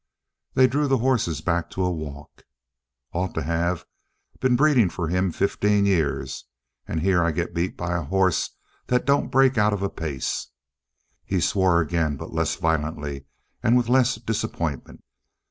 They drew the horses back to a walk. "Ought to have. Been breeding for him fifteen years and here I get him beat by a hoss that don't break out of a pace." He swore again, but less violently and with less disappointment.